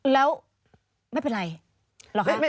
แล้วไม่เป็นไร